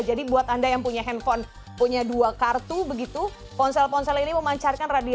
jadi buat anda yang punya handphone punya dua kartu begitu ponsel ponsel ini memancarkan radianya